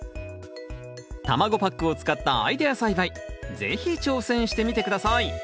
卵パックを使ったアイデア栽培是非挑戦してみて下さい。